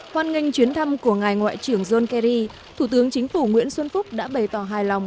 hoan nghênh chuyến thăm của ngài ngoại trưởng john kerry thủ tướng chính phủ nguyễn xuân phúc đã bày tỏ hài lòng